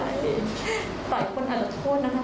เยี่ยมได้เลยต่อไปคนอาจจะโทษนะครับ